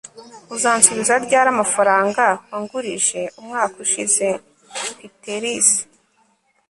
uzansubiza ryari amafaranga wangurije umwaka ushize? (piteris